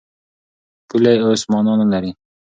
پولې اوس مانا نه لري.